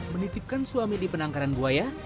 menitipkan suami di penangkaran buaya